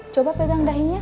coba pegang dahinya